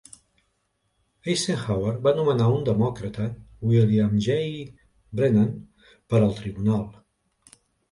Eisenhower va nomenar un demòcrata, William J. Brennan, per al Tribunal.